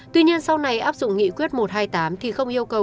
tuy nhiên sau này áp dụng nghị quyết một trăm hai mươi tám thì không yêu cầu